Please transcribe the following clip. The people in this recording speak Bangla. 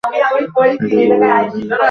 এটি গভীর আধ্যাত্মিক ধ্যানের জন্য কার্যকর।